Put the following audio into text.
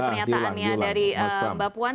pernyataannya dari bapuan